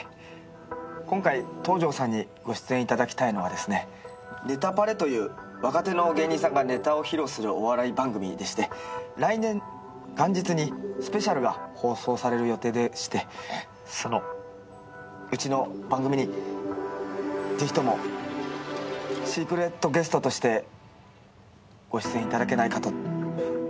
今回東條さんにご出演いただきたいのはですね『ネタパレ』という若手の芸人さんがネタを披露するお笑い番組でして来年元日にスペシャルが放送される予定でしてそのうちの番組にぜひともシークレットゲストとしてご出演いただけないかと思いまして。